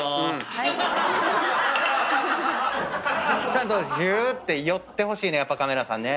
ちゃんとじゅーって寄ってほしいねんカメラさんね。